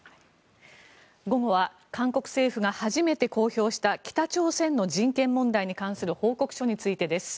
午後は韓国政府が初めて公表した北朝鮮の人権問題に関する報告書についてです。